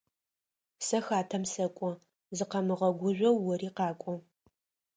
Сэ хатэм сэкӏо, зыкъэмыгъэгужъоу ори къакӏо.